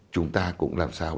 chúng ta cũng làm sao